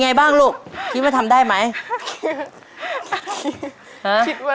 ระวังลืดด้วยจับแม่